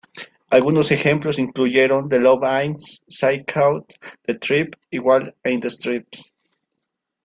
Algunos ejemplos incluyeron "The Love-ins", "Psych-Out", "The Trip", y "Wild in the Streets".